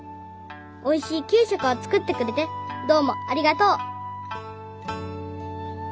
おいしいきゅうしょくをつくってくれてどうもありがとう」。